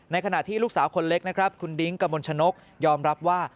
ในขณะที่ลูกสาวคนเล็กคุณดิงกำบลชนกยอมรับว่า